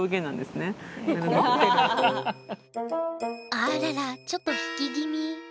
あららちょっと引き気味。